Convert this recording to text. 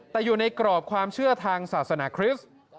แต่อยู่ในกรอบความเชื่อทางศาสนาคริสต์